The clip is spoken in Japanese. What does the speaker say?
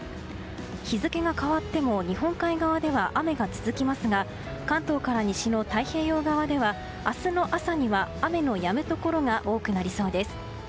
日付が変わっても日本海側では雨が続きますが関東から西の太平洋側では明日の朝には雨のやむところが多くなりそうです。